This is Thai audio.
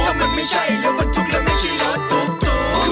ก็มันไม่ใช่รถประทุกข์และไม่ใช่รถตุ๊กตุ๊ก